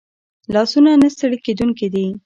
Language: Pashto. لاسونه نه ستړي کېدونکي دي